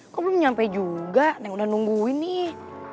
kok belum nyampe juga nih udah nungguin nih